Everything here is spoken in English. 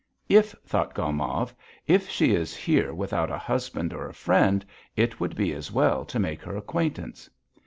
"If," thought Gomov, "if she is here without a husband or a friend, it would be as well to make her acquaintance."